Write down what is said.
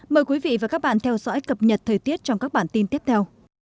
mời quý vị và các bạn theo dõi cập nhật thời tiết trong các bản tin tiếp theo